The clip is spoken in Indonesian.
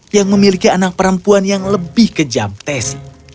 yang memiliki anak perempuan yang lebih kejam tes